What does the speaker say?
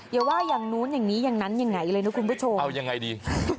อย่าว่าอย่างนู้นอย่างนี้อย่างนั้นยังไงเลยนะคุณผู้ชมเอายังไงดี